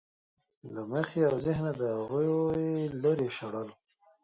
له مخې او ذهنه د هغوی لرې شړل.